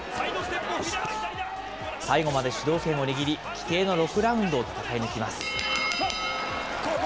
最後まで主導権を握り、規定の６ラウンドを戦い抜きます。